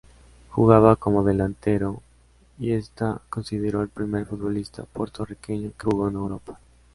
Jugaba como delantero y está considerado el primer futbolista puertorriqueño que jugó en Europa.